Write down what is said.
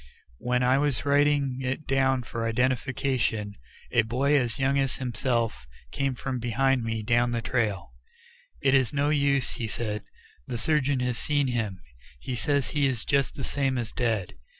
While I was writing it down for identification, a boy as young as himself came from behind me down the trail. "It is no use," he said; "the surgeon has seen him; he says he is just the same as dead.